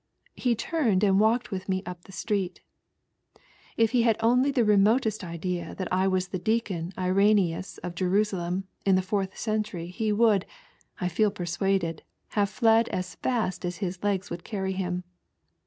He turned and walked with me up the street. If he had only had the remotest idea that I was the deacon IrenffiQs of Jerusalem in the 4th century he would, I feel peisuaded, have fled aa fast as his legs woald carry him.